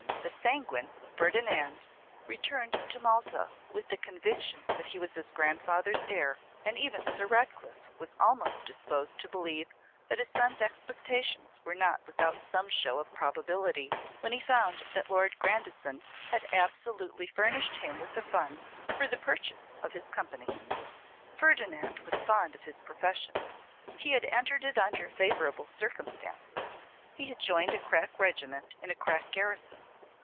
The sanguine Ferdinand returned to Malta with the conviction that he was his grandfather's heir; and even Sir Ratcliffe was almost disposed to believe that his son's expectations were not without some show of probability, when he found that Lord Grandison had absolutely furnished him with the funds for the purchase of his company. Ferdinand was fond of his profession. He had entered it under favourable circumstances. He had joined a crack regiment in a crack garrison.